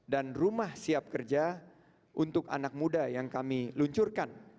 dan rumah siap kerja untuk anak muda yang kami luncurkan